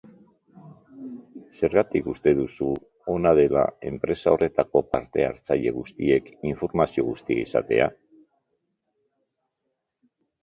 Zergatik uste duzu ona dela enpresa horretako parte hartzaile guztiek informazio guztia izatea?